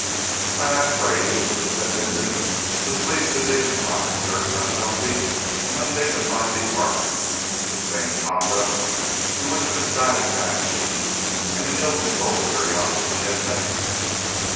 By that phrase it was that Bindon was pleased to dignify certain unhealthy and undignified departures from sane conduct to which a misguided vanity and an ill controlled curiosity had led him.